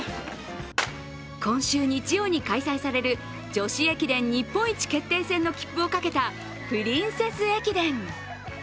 今週日曜に開催される女子駅伝日本一決定戦の切符をかけたプリンセス駅伝。